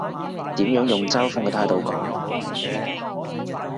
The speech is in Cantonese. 點樣用嘲諷嘅態度講？